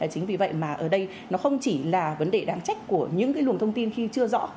chính vì vậy mà ở đây nó không chỉ là vấn đề đáng trách của những luồng thông tin khi chưa rõ